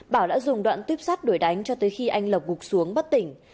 bảo đã dùng đoạn tiếp sát đuổi đánh cho tới khi anh lộc gục xuống bất tỉnh